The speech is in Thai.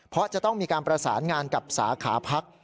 เพราะจะต้องมีการประสานงานกับสาขาพัก